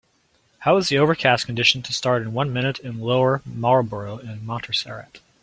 how is the overcast condition to start in one minute in Lower Marlboro in Montserrat